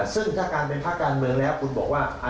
ซึ่งถ้าการเป็นภาคการเมืองแล้วคุณบอกว่า